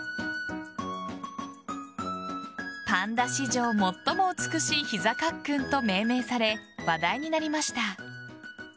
パンダ史上最も美しい膝カックンと命名され話題になりました。